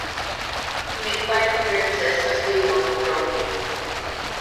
He made five appearances as they won the trophy.